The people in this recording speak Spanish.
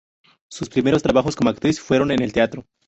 Sus primeros trabajos como actriz fueron en el teatro.